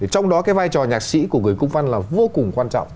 trong đó cái vai trò nhạc sĩ của người cung văn là vô cùng quan trọng